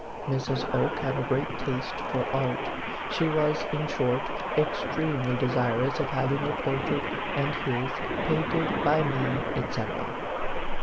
Mrs. Oke had a great taste for art ; she was, in short, extremely de sirous of having her portrait and his painted by me, et cetera.